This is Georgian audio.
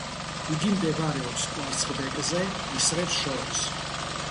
იგი მდებარეობს კვარცხლბეკზე ისრებს შორის.